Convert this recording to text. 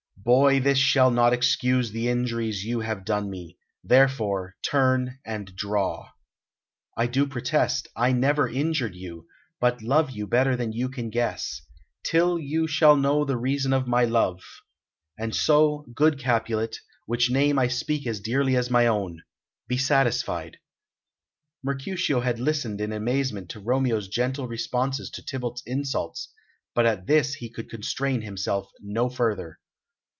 "Boy, this shall not excuse the injuries you have done me. Therefore turn and draw." "I do protest, I never injured you, but love you better than you can guess, till you shall know the reason of my love. And so, good Capulet which name I speak as dearly as my own be satisfied." Mercutio had listened in amazement to Romeo's gentle responses to Tybalt's insults, but at this he could contain himself no further.